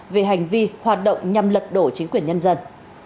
về hành vi hoạt động nhằm lật đổ chính quyền nhân dân